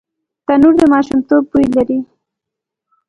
تنور د ماشومتوب بوی لري